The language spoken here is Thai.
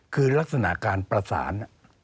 คือลักษณะการประสาน